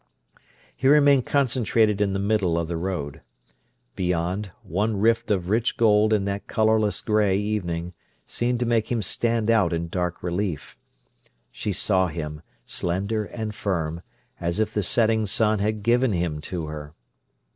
He remained concentrated in the middle of the road. Beyond, one rift of rich gold in that colourless grey evening seemed to make him stand out in dark relief. She saw him, slender and firm, as if the setting sun had given him to her.